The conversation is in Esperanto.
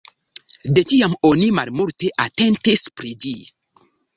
De tiam oni malmulte atentis pri ĝi.